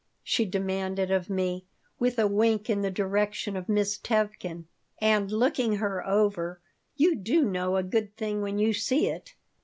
she demanded of me, with a wink in the direction of Miss Tevkin. And, looking her over, "You do know a good thing when you see it."